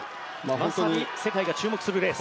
まさに世界が注目するレース。